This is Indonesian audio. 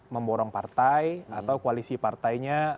memborong partai atau koalisi partainya